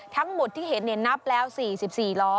ทั้งหมดที่เห็นนับแล้ว๔๔ล้อ